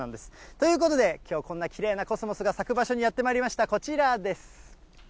ということで、きょう、こんなきれいなコスモスが咲く場所にやってまいりました、こちらです。